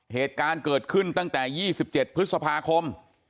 เหตุการณ์เกิดขึ้นตั้งแต่๒๗พฤษภาคม